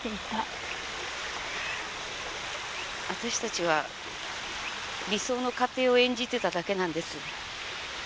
私たちは理想の家庭を演じてただけなんです。